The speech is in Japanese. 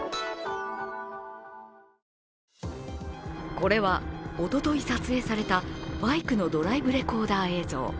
これはおととい撮影されたバイクのドライブレコーダー映像。